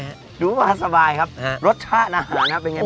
หรูบ้าสบายครับเยอะมากครับรสชาติอาหารครับอย่างไรบ้างนะครับ